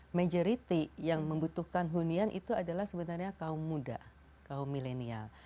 majority yang membutuhkan hunian itu adalah sebenarnya kaum muda kaum milenial